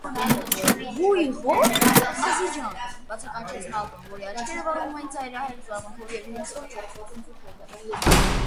- Վույ, ղո՞րթ, ազի ջան,- բացականչեց Նատոն, որի աչքերը վառվում էին ծայրահեղ զարմանքով և հիասքանչումով: